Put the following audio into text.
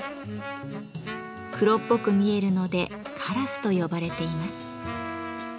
黒っぽく見えるので「カラス」と呼ばれています。